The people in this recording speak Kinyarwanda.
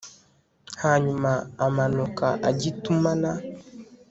hanyuma amanuka ajya i timuna